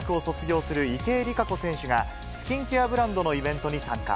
今月、日本大学を卒業する池江璃花子選手が、スキンケアブランドのイベントに参加。